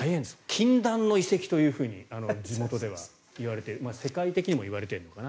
禁断の移籍というふうに地元ではいわれて世界的にもいわれているのかな